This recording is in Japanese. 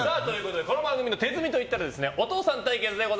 この番組の手積みといったらお父さん対決です。